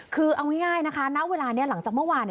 คือเอาง่ายนะคะณเวลานี้หลังจากเมื่อวาน